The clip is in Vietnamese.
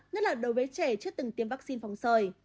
nhất là đối với trẻ chưa từng tiêm vaccine phòng sởi